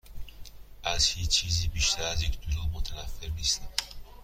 از هیچ چیزی بیشتر از یک دروغگو متنفر نیستم.